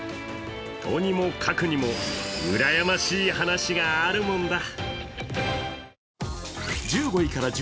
とにもかくにもうらやましい話があるもんだ。